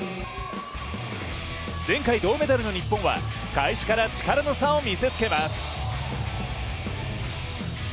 前回銅メダルの日本は開始から力の差を見せつけます。